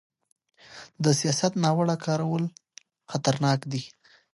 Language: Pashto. د سیاست ناوړه کارول خطرناک دي